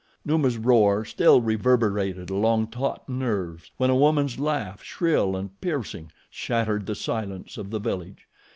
Numa's roar still reverberated along taut nerves when a woman's laugh, shrill and piercing, shattered the silence of the village.